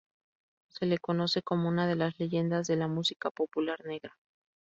Se le conoce como una de las leyendas de la música popular negra.